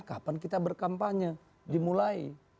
kapan kita berkampanye dimulai